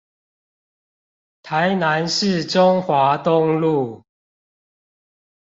台南市中華東路